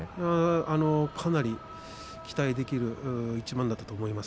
かなり期待できる一番だったと思います。